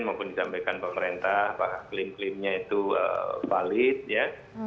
maupun disampaikan pemerintah bahwa klaim klaimnya itu valid ya